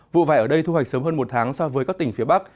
vụ vải ở đây thu hoạch sớm hơn một tháng so với các tỉnh phía bắc